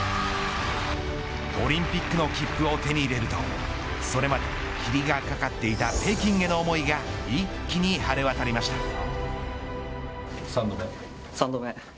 オリンピックの切符を手に入れるとそれまで霧がかかっていた北京への思いが一気に晴れ渡りました。